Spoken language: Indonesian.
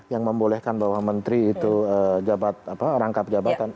yang membolehkan bahwa menteri itu rangkap jabatan